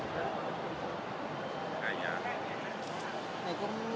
สวัสดีครับ